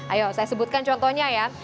ayo saya sebutkan contohnya ya